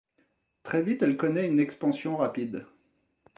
Très vite elle connaît une expansion rapide.